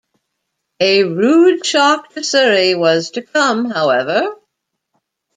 A rude shock to Surrey was to come, however.